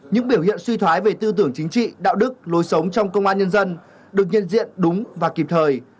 những biểu hiện suy thoái về tư tưởng chính trị đạo đức lối sống trong công an nhân dân được nhận diện đúng và kịp thời